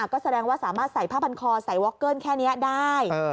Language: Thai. ก็แสดงว่าสามารถใส่ผ้าพันคอใส่วอคเกิ้ลแค่นี้ได้